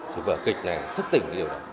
thì vợ kịch này thức tỉnh